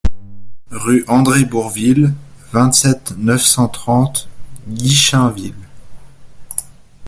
Rue André Bourvil, vingt-sept, neuf cent trente Guichainville